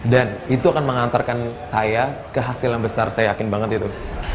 dan itu akan mengantarkan saya ke hasil yang besar saya yakin banget itu